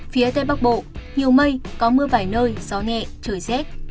phía tây bắc bộ nhiều mây có mưa vài nơi gió nhẹ trời rét